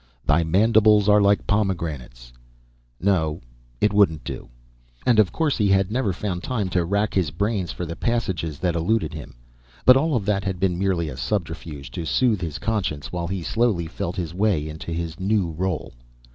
(Thy mandibles are like pomegranates ... no, it wouldn't do). And, of course, he had never found time to wrack his brains for the passages that eluded him. But all that had been merely a subterfuge to soothe his conscience, while he slowly felt his way into his new role.